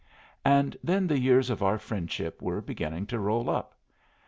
And then the years of our friendship were beginning to roll up.